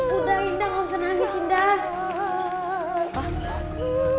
udah indah langsung nangis indah